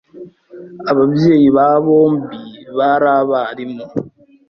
Ababyeyi ba bombi bari abarimu.